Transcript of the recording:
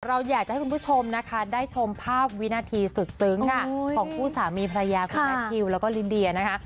เราอยากจะให้คุณผู้ชมนะคะได้ชมภาพวินาทีสุดซึ้งค่ะของคู่สามีภรรยาคุณแมททิวแล้วก็ลิเดียนะคะ